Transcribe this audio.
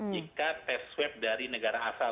jika test sweep dari negara asal